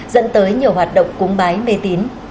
dẫn tới nhiều hoạt động cúng bái mê tín